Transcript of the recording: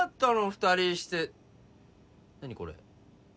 二人して何これ？